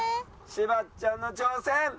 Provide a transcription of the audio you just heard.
柴っちゃんの挑戦。